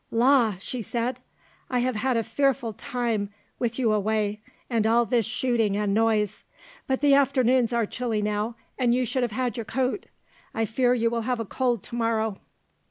"La," she said, "I have had a fearful time with you away, and all this shooting and noise. But the afternoons are chilly now and you should have had your coat; I fear you will have a cold to morrow."